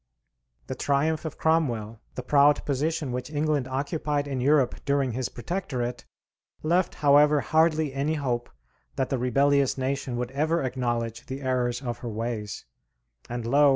The triumph of Cromwell, the proud position which England occupied in Europe during his protectorate, left however hardly any hope that the rebellious nation would ever acknowledge the errors of her ways; and lo!